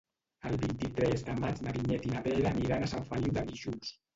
El vint-i-tres de maig na Vinyet i na Vera aniran a Sant Feliu de Guíxols.